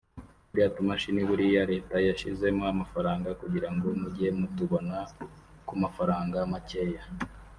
turiya tumashini buriya Leta yashyizemo amafaranga kugira ngo mujye mutubona ku mafaranga makeya